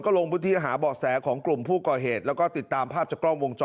กี่บาทครับค้ามแข็ง